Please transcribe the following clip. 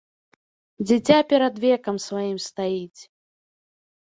Дзіця перад векам сваім стаіць.